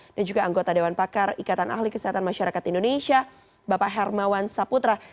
dan juga anggota dewan pakar ikatan ahli kesehatan masyarakat indonesia bapak hermawan saputra